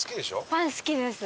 パン好きです。